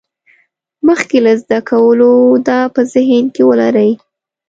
مخکې له زده کولو دا په ذهن کې ولرئ.